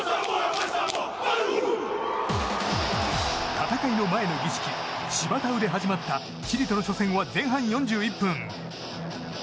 戦い前の儀式シバタウで始まったチリとの初戦は前半４１分。